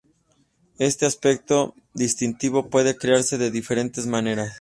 Este aspecto distintivo puede crearse de diferentes maneras.